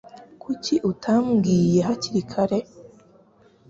Kuki utambwiye hakiri kare